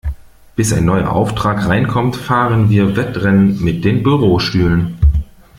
Bis ein neuer Auftrag reinkommt, fahren wir Wettrennen mit den Bürostühlen.